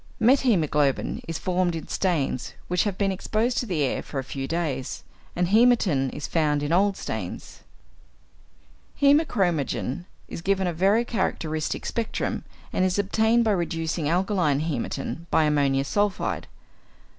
Methæmoglobin is formed in stains which have been exposed to the air for a few days, and hæmatin is found in old stains. Hæmochromogen gives a very characteristic spectrum, and is obtained by reducing alkaline hæmatin by ammonium sulphide.